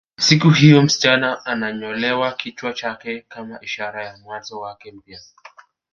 Siku hiyo msichana ananyolewa kichwa chake kama ishara ya mwanzo wake mpya